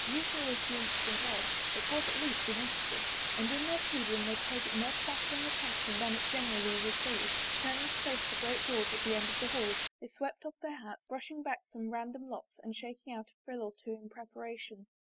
Usual as the incident was, it was at least an incident, and in their tedium they paid it a more flattering atten 3 I THE FAVOR OF KINGS tion than it generally received. Turning to face the great doors at the end of the hall, they swept off their hats, brushing back some random locks and shaking out a frill or two in preparation.